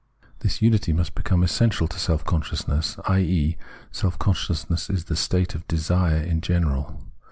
This unity must become essential to self consciousness, i.e. self consciousness is the state of Desire in general.